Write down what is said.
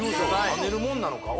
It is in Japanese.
跳ねるもんなのか？